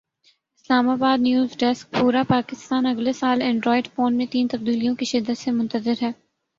اسلام آبادنیو زڈیسکپورا پاکستان اگلے سال اینڈرائیڈ فون میں تین تبدیلیوں کی شدت سے منتظر ہے